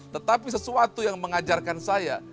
tetapi sesuatu yang mengajarkan saya